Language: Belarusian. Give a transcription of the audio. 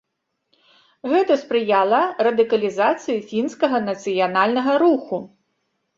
Гэта спрыяла радыкалізацыі фінскага нацыянальнага руху.